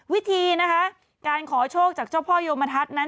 วิธีนะคะการขอโชคจากเจ้าพ่อโยมทัศน์นั้น